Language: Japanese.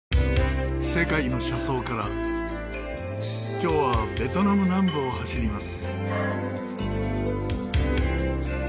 今日はベトナム南部を走ります。